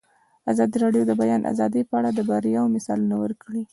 ازادي راډیو د د بیان آزادي په اړه د بریاوو مثالونه ورکړي.